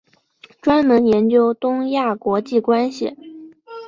专门研究东亚国际关系。